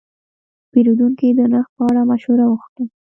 پیرودونکی د نرخ په اړه مشوره وغوښته.